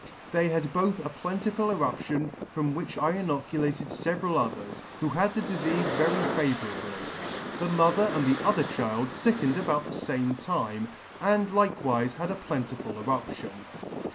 They had both a plentiful eruption, from which I inoculated feveral others, who had the difeafe very favourably. The mo ther and the other child fickened about the fame time, and like wife had a plentiful eruption.